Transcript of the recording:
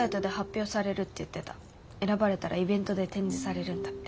選ばれたらイベントで展示されるんだって。